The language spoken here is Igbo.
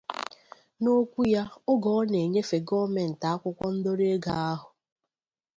N'okwu ya oge ọ na-enyefe gọọmenti akwụkwọ ndọrọ ego ahụ